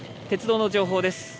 鉄道の情報です。